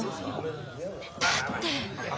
だって。